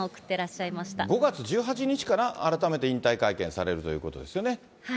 しゃ５月１８日かな、あらためて引退会見されるということですよね。